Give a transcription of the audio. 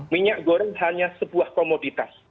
minyak goreng hanya sebuah komoditas